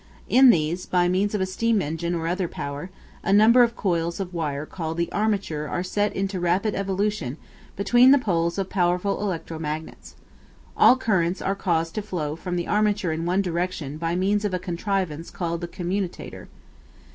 In these, by means of a steam engine or other power, a number of coils of wire called the armature are set into rapid revolution between the poles of powerful electro magnets. All currents are caused to flow from the armature in one direction by means of a contrivance called the commutator.